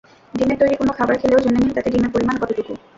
ডিমের তৈরি কোনো খাবার খেলেও জেনে নিন তাতে ডিমের পরিমাণ কতটুকু।